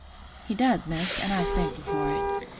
"He does, Miss; and I'se thankful for it.